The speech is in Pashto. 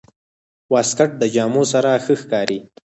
واسکټ د جامو سره ښه ښکاري.